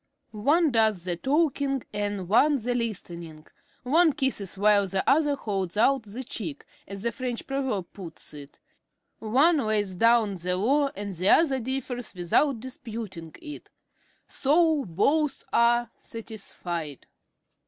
One does the talking and one the listening. One kisses while the other holds out the cheek, as the French proverb puts it; one lays down the law and the other differs without disputing it, so both are satisfied.